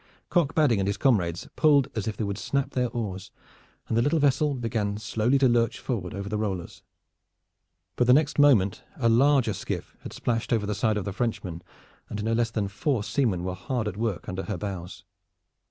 Cock Badding and his comrades pulled as if they would snap their oars, and the little vessel began slowly to lurch forward over the rollers. But the next moment a larger skiff had splashed over the side of the Frenchman, and no less than four seamen were hard at work under her bows.